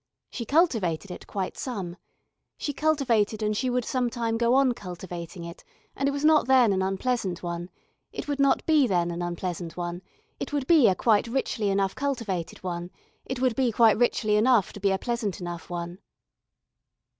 She cultivated it quite some. She cultivated and she would sometime go on cultivating it and it was not then an unpleasant one, it would not be then an unpleasant one, it would be a quite richly enough cultivated one, it would be quite richly enough to be a pleasant enough one.